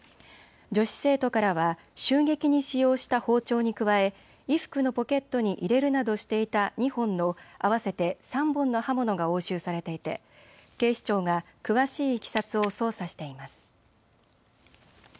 女子生徒からは襲撃に使用した包丁に加え衣服のポケットに入れるなどしていた２本の合わせて３本の刃物が押収されていて警視庁が詳しいいきさつを捜査しています。